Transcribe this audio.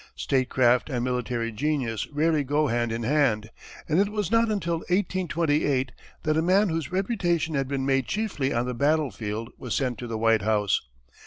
Statecraft and military genius rarely go hand in hand, and it was not until 1828 that a man whose reputation had been made chiefly on the battlefield was sent to the White House.